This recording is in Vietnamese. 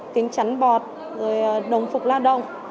kính chắn bọt rồi đồng phục lao động